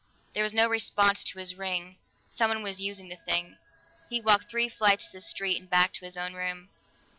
There was no response to his ring; someone was using the thing. He walked three flights to the street and back to his own room.